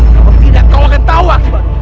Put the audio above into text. kalau tidak kau akan tawa